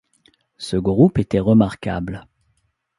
Ce groupe était remarquable.